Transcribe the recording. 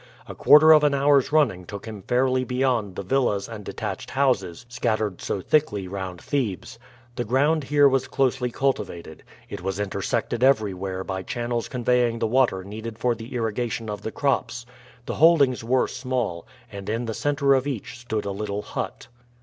A quarter of an hour's running took him fairly beyond the villas and detached houses scattered so thickly round Thebes. The ground here was closely cultivated. It was intersected everywhere by channels conveying the water needed for the irrigation of the crops. The holdings were small, and in the center of each stood a little hut.